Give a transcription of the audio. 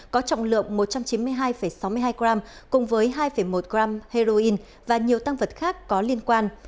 có trọng lượng một trăm chín mươi hai sáu mươi hai g cùng với hai một g heroin và nhiều tăng vật khác có liên quan